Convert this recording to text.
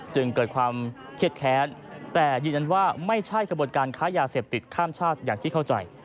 จึงเกิดความเครียดแค้นแต่ยืนยันว่าไม่ใช่กระบวนการค้ายาเสพติดข้ามชาติอย่างที่เข้าใจ